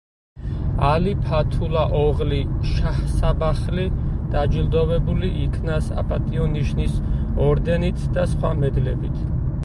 ალი ფათულა ოღლი შაჰსაბახლი დაჯილდოვებული იქნა „საპატიო ნიშნის“ ორდენით და სხვა მედლებით.